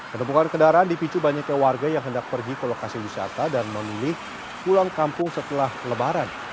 penumpukan kendaraan dipicu banyaknya warga yang hendak pergi ke lokasi wisata dan memilih pulang kampung setelah lebaran